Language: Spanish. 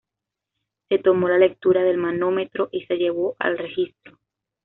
Se tomó la lectura del manómetro y se llevó al registro.